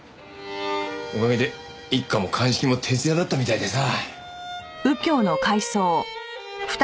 おかげで一課も鑑識も徹夜だったみたいでさ。